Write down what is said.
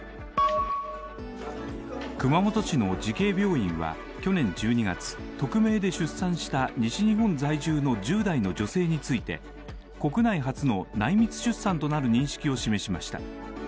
熊本市の慈恵病院は去年１２月、匿名で出産した西日本在住の１０代の女性について国内初の内密出産となる認識を示しました。